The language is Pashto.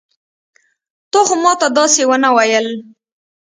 تا خو ما ته داسې ونه ويل.